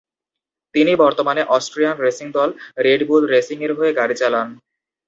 তিনি বর্তমানে Austrian racing দল "রেড বুল রেসিং"-এর হয়ে গাড়ি চালান।